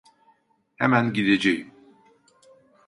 Hemen gideceğim.